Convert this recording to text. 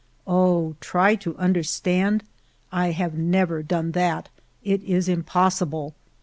Oh, try to understand ![ have never done that ; it is impossible